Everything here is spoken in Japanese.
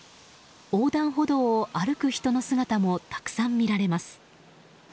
横断歩道を歩く人の姿もたくさん見られます。